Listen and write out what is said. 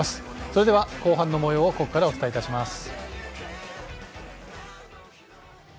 それでは、後半のもようをここからお伝えいたします。